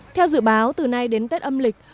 theo dự báo từ nay đến tết âm lịch